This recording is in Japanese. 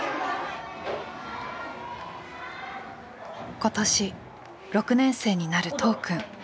今年６年生になる都央くん。